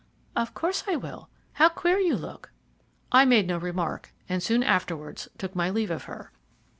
"Of course I will. How queer you look!" I made no remark, and soon afterwards took my leave of her.